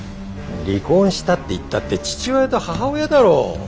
離婚したっていったって父親と母親だろう。